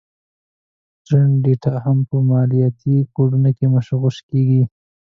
د ټرینډ ډېټا هم په مالياتي کوډونو کې مغشوش کېږي